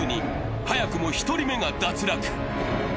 早くも１人目が脱落。